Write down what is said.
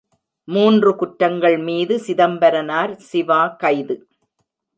மூன்று குற்றங்கள் மீது சிதம்பரனார், சிவா கைது!